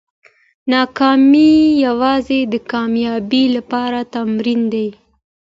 ناکامي یوازې د کامیابۍ لپاره تمرین دی.